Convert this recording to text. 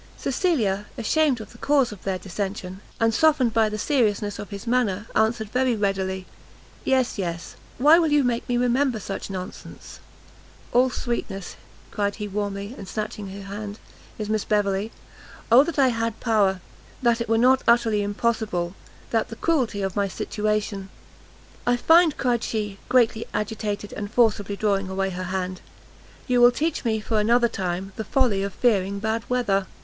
Cecilia, ashamed of the cause of their dissension, and softened by the seriousness of his manner, answered very readily, "yes, yes, why will you make me remember such nonsense?" "All sweetness," cried he warmly, and snatching her hand, "is Miss Beverley! O that I had power that it were not utterly impossible that the cruelty of my situation " "I find," cried she, greatly agitated, and forcibly drawing away her hand, "you will teach me, for another time, the folly of fearing bad weather!"